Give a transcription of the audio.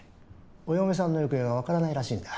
お嫁さんの行方がわからないらしいんだ。